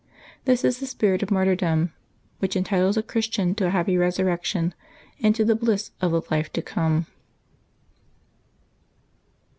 This is the spirit of martyrdom, which entitles a Christian to a happy resurrection and to the bliss of the life to come.